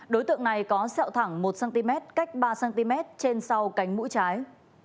đối tượng này có sẹo thẳng một cm cách ba cm trên sau cánh mũi trái